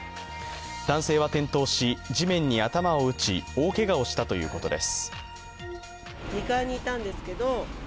男性は転倒し、地面に頭を打ち、大けがをしたということです。